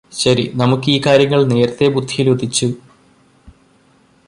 ശരി നമുക്ക് ഈ കാര്യങ്ങള് നേരത്തെ ബുദ്ധിയിൽ ഉദിച്ചു